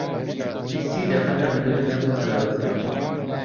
سی دەقەتان دەدەمێ تا خۆتان ئامادە بکەن.